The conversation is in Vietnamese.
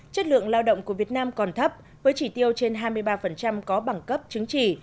chất lượng lao động của việt nam còn thấp với chỉ tiêu trên hai mươi ba có bằng cấp chứng chỉ